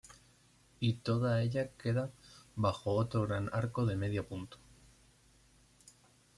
Y toda ella queda bajo otro gran arco de medio punto.